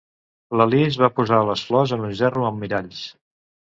La Liz va posar les flors en un gerro amb miralls.